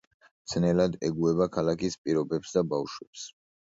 ძნელად ეგუება ქალაქის პირობებს და ბავშვებს.